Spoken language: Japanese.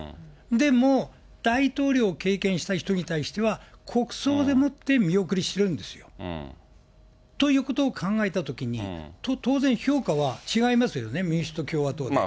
でも、大統領経験した人に対しては、国葬でもって見送りするんですよ。ということを考えたときに、当然、評価は違いますよね、民主党と共和党で。